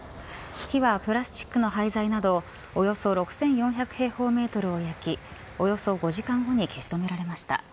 火はプラスチックの廃材などおよそ６４００平方メートルを焼きおよそ５時間後に消し止められました。